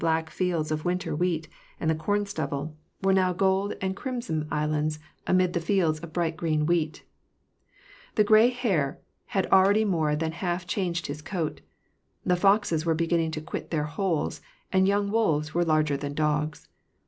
black fields of winter wheat and the corn stubble, were now i50 WAR AND PS ACS. golden and crimson islands amid the fields of bright green wheat. The gray hare had already more than half changed his coat ; the foxes were beginning to quit their holes, and young wolves were larger than dogs.